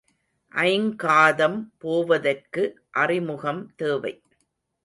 ஐங்காதம் போவதற்கு அறிமுகம் தேவை.